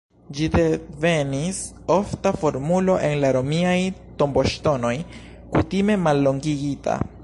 Ĝi devenis ofta formulo en la romiaj tomboŝtonoj, kutime mallongigita.